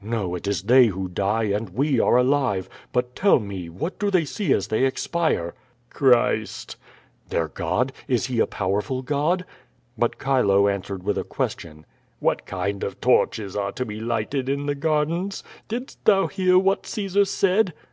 "No, it is they who die, and we are alive. But tell me what do they see as they expire?" "Christ." "Their God? Is He a powerful God?" But Chilo answered with a question: "What kind of torches are to be lighted in the gardens? Didst thou hear what Caesar said?"